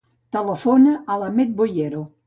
Telefona a l'Ahmed Boyero.